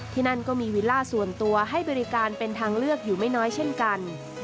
นั่นก็มีวิลล่าส่วนตัวให้บริการเป็นทางเลือกอยู่ไม่น้อยเช่นกัน